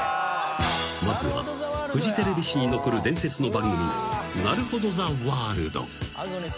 ［まずはフジテレビ史に残る伝説の番組『なるほど！ザ・ワールド』］